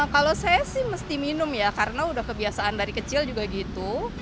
kalau saya sih mesti minum ya karena udah kebiasaan dari kecil juga gitu